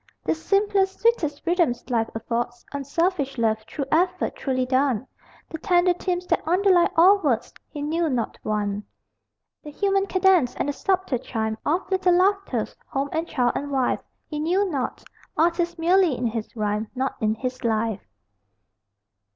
The simplest, sweetest rhythms life affords Unselfish love, true effort truly done, The tender themes that underlie all words He knew not one. The human cadence and the subtle chime Of little laughters, home and child and wife, He knew not. Artist merely in his rhyme, Not in his life.